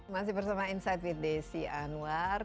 masih bersama insight with desi anwar